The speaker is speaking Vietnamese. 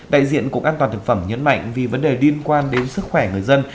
đại diện cục an toàn thực phẩm nhấn mạnh vì vấn đề liên quan đến sức khỏe người dân